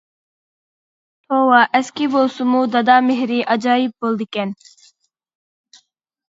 توۋا ئەسكى بولسىمۇ دادا مېھرى ئاجايىپ بولىدىكەن.